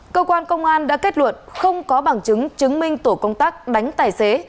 cơ quan công an đã kết luận không có bằng chứng chứng minh tổ công tác đánh tài xế